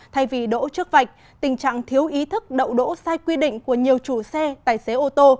thay vì đỗ trước vạch tình trạng thiếu ý thức đậu đỗ sai quy định của nhiều chủ xe tài xế ô tô